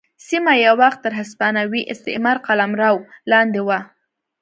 سیمه یو وخت تر هسپانوي استعمار قلمرو لاندې وه.